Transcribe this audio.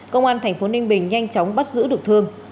công an tp ninh bình nhanh chóng bắt giữ được thương